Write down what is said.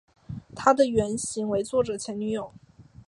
她的原型为作者前女友。